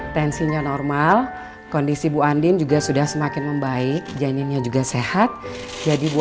tensinya normal kondisi bu andin juga sudah semakin membaik janinnya juga sehat jadi